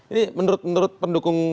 ini menurut pendukung